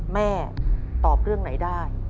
แม่ตอบเรื่องไหนได้